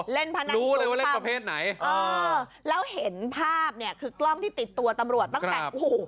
เล่นพนันสูตรต่างแล้วเห็นภาพนี่คือกล้องที่ติดตัวตำรวจตั้งแต่โอ้โฮ